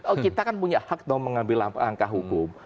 oh kita kan punya hak mengambil angka hukum